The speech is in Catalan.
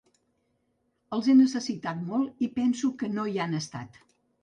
Els he necessitat molt i penso que no hi han estat.